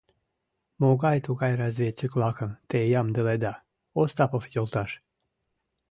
Могай-тугай разведчик-влакым те ямдыледа, Остапов йолташ?